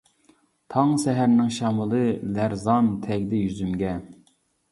تاڭ سەھەرنىڭ شامىلى، لەرزان تەگدى يۈزۈمگە.